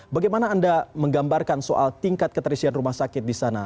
bagaimana anda menggambarkan soal tingkat keterisian rumah sakit di sana